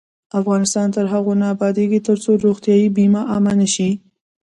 افغانستان تر هغو نه ابادیږي، ترڅو روغتیايي بیمه عامه نشي.